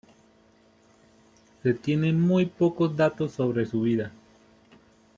Se tienen muy pocos datos sobre su vida.